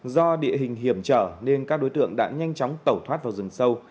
do địa hình hiểm trở nên các đối tượng đã nhanh chóng tẩu thoát vào rừng sâu